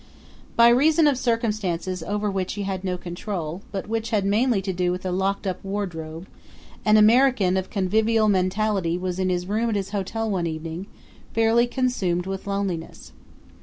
By reason of circumstances over which he had no control, but which had mainly to do with a locked up wardrobe, an American of convivial mentality was in his room at his hotel one evening, fairly consumed with loneliness.